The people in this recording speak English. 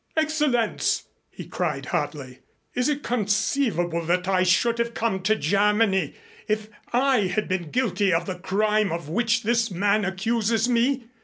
"Excellenz," he cried hotly, "is it conceivable that I should have come to Germany if I had been guilty of the crime of which this man accuses me?